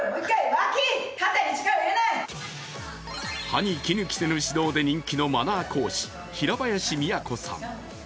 歯にきぬ着せぬ指導で人気のマナー講師、平林都さん。